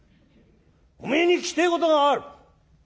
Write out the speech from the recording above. おめえに聞きてえことがある。